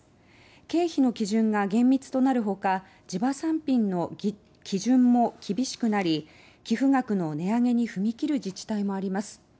経費の基準が厳密となる他地場産品の儀基準も厳しくなり寄附額の値上げに踏み切る自治体もあります。